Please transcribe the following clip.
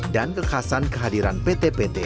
dan kekhasan kehadiran pt pt